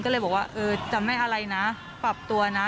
ก็เลยบอกว่าเออจะไม่อะไรนะปรับตัวนะ